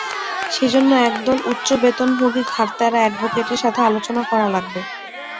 সেজন্য একদল উচ্চবেতনভোগী ঘাড়ত্যাড়া অ্যাডভোকেটের সাথে আলোচনা করা লাগবে।